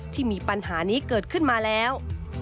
ที่มีปัญหานี้เกิดขึ้นมาแล้ว